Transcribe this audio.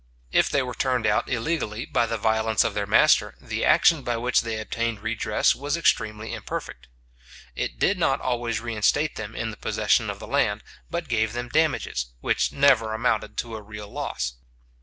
If they were turned out illegally by the violence of their master, the action by which they obtained redress was extremely imperfect. It did not always reinstate them in the possession of the land, but gave them damages, which never amounted to a real loss.